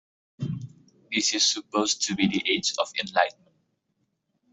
This is supposed to be the age of enlightenment.